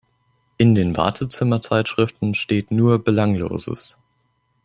In den Wartezimmer-Zeitschriften steht nur Belangloses.